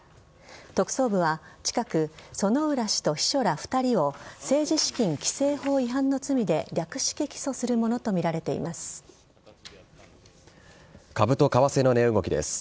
特捜部は近く薗浦氏と秘書ら２人を政治資金規正法違反の罪で略式起訴するものと株と為替の値動きです。